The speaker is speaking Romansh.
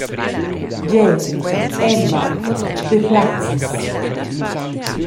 Gie, Emma … Deplazes.